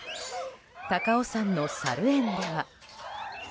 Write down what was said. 高尾山のさる園では。